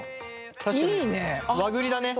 確かに和栗だね。